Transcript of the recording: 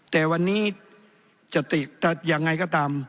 แต่วันนี้จะติยังไงก็ตาม